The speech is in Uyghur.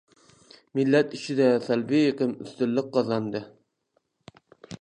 مىللەت ئىچىدە سەلبىي ئېقىم ئۈستۈنلۈك قازاندى.